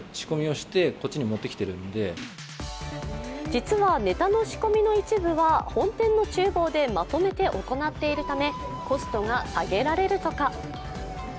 実はネタの仕込みの一部は本店のちゅう房でまとめて行っているため、コストが下げられるとか。